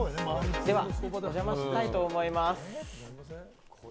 ではお邪魔したいと思います。